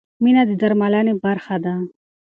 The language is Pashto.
مینه د درملنې برخه ده.